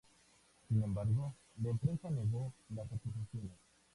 Sin embargo, la empresa negó las acusaciones.